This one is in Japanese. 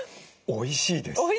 おいしいですよね。